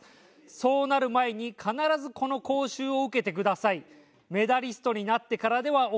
「そうなる前に必ずこの講習を受けてください」「メダリストになってからでは遅いです」